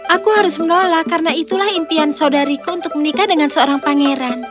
aku harus menolak karena itulah impian saudariku untuk menikah dengan seorang pangeran